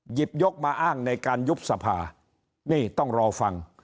หยิบยกมาอ้างในการยุบสภานี่ต้องรอฟัง